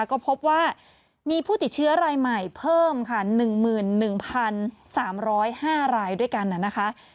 ก็พบว่ามีผู้ติดเชื้อรายใหม่เพิ่มค่ะ๑๑๓๐๕รายด้วยกันนะคะ